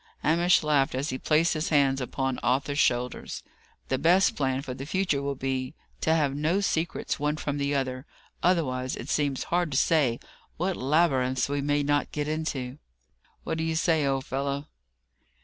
Hamish laughed as he placed his hands upon Arthur's shoulders. "The best plan for the future will be, to have no secrets one from the other; otherwise, it seems hard to say what labyrinths we may not get into. What do you say, old fellow?"